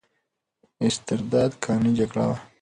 استرداد قانوني جګړه وه.